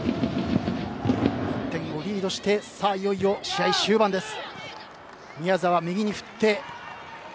１点をリードしていよいよ試合終盤です。